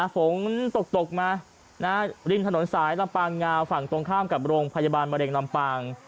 ฝนตกมาริมถนนสายลำปางงาฝั่งตรงข้ามกับโรงพยาบาลมะเร็งลำปาง